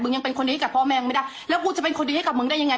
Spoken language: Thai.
ยังเป็นคนดีกับพ่อแม่มึงไม่ได้แล้วกูจะเป็นคนดีให้กับมึงได้ยังไง